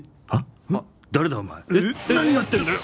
何やってんだよ！